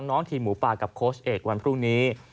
น้องทีมหมูป่ากับโค้ชเอกวันพรุ่งนี้